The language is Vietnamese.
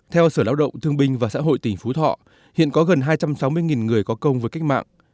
theo sở lao động thương binh và xã hội tỉnh phú thọ hiện có gần hai trăm sáu mươi người có công với cách mạng